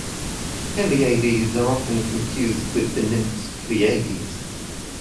Peleiades are often confused with the nymphs Pleiades.